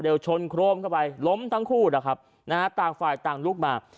ชนโครมเข้าไปล้มทั้งคู่นะครับนะฮะต่างฝ่ายต่างลุกมา